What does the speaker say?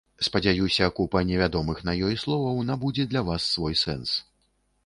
Спадзяюся, купа невядомых на ёй словаў набудзе для вас свой сэнс.